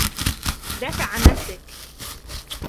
دافِع عن نَفسَك.